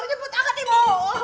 cepet akan ibu